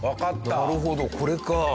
なるほどこれか。